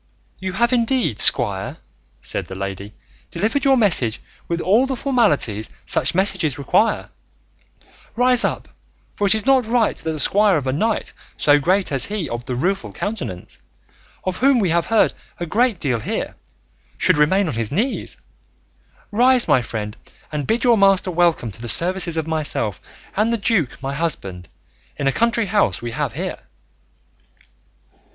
"You have indeed, squire," said the lady, "delivered your message with all the formalities such messages require; rise up, for it is not right that the squire of a knight so great as he of the Rueful Countenance, of whom we have heard a great deal here, should remain on his knees; rise, my friend, and bid your master welcome to the services of myself and the duke my husband, in a country house we have here."